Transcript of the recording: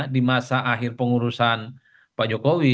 di masa akhir pengurusan pak jokowi